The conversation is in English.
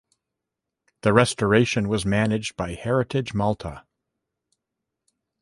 The restoration was managed by Heritage Malta.